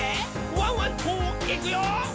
ワンワンといくよ」